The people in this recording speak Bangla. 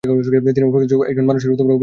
তিনি অপ্রকৃতিস্থ একজন মানুষের অভিনয় করলেন।